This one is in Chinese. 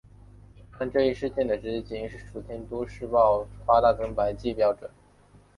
但这一事件的直接起因是楚天都市报夸大增白剂标准。